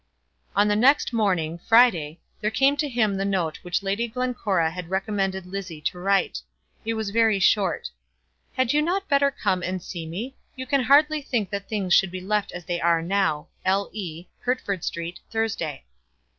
On the next morning, Friday, there came to him the note which Lady Glencora had recommended Lizzie to write. It was very short. "Had you not better come and see me? You can hardly think that things should be left as they are now. L. E. Hertford Street, Thursday."